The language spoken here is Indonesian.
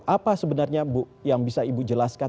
apa sebenarnya yang bisa ibu jelaskan